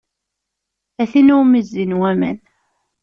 A tin iwumi zzin waman.